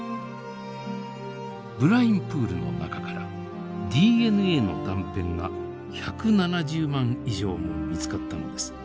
ブラインプールの中からＤＮＡの断片が１７０万以上も見つかったのです。